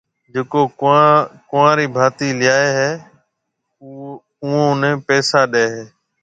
جڪو ڪنوارِي ڀاتِي ليائيَ ھيََََ اوئون نيَ پيسا ڏَي ھيََََ